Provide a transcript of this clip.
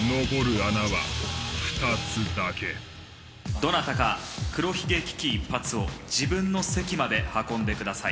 どなたか黒ひげ危機一発を自分の席まで運んでください。